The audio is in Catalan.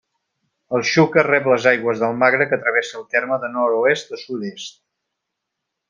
El Xúquer rep les aigües del Magre, que travessa el terme de nord-oest a sud-est.